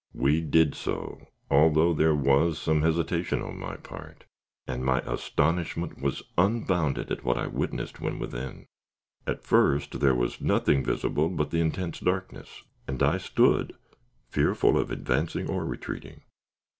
We did so, although there was some hesitation upon my part, and my astonishment was unbounded at what I witnessed when within. At first there was nothing visible but the intense darkness, and I stood, fearful of advancing or retreating.